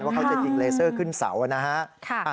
เขาจะยิงเลเซอร์ขึ้นเสานะฮะ